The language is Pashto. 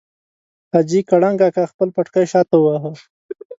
حاجي کړنګ اکا خپل پټکی شاته وواهه.